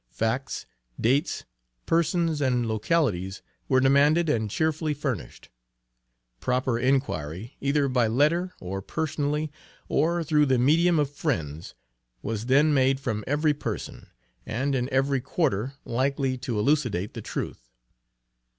Facts dates persons and localities were demanded and cheerfully furnished. Proper inquiry either by letter, or personally, or through the medium of friends was then made from every person, and in every quarter likely to elucidate the truth.